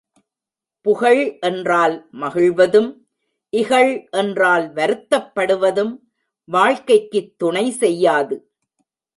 புகழ் என்றால் மகிழ்வதும், இகழ் என்றால் வருத்தப்படுவதும் வாழ்க்கைக்குத் துணை செய்யாது.